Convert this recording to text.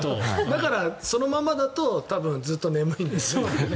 だから、そのままだとずっと眠いんですよ。